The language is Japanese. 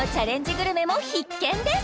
グルメも必見です！